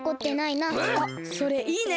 あそれいいね！